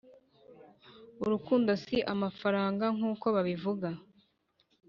Urukundo si amafaranga nkuko babivuga